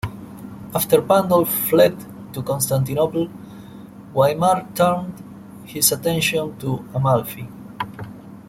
After Pandulf fled to Constantinople, Guaimar turned his attention to Amalfi.